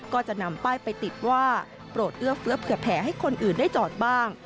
ก็จะนำป้ายไปติดว่าโปรดเอื้อเฟื้อเผื่อแผลให้คนอื่นได้จอดบ้าง